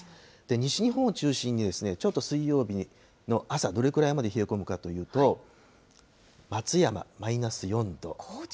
西日本を中心にちょっと水曜日の朝、どれくらいまで冷え込むかというと、松山マイナス４度。